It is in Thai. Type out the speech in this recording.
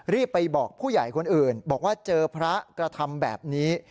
รีบไปบอกผู้ใหญ่คนอื่นบอกว่าเจอพระกระทำแบบนี้